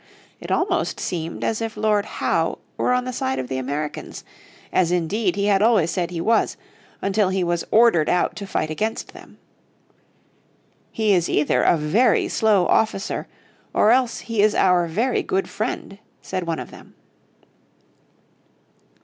It almost seemed as if Lord Howe were on the side of the Americans, as indeed he had always said he was, until he was ordered out to fight against them. "He is either a very slow officer, or else he is our very good friend," said one of them.